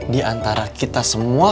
diantara kita semua